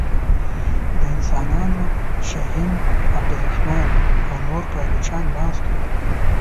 د انسانانو شهین عبدالرحمن او نور پایلوچان ناست وه.